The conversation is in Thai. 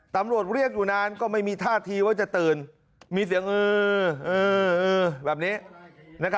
ตำรวจเรียกอยู่นานก็ไม่มีท่าทีว่าจะตื่นมีเสียงอื้อแบบนี้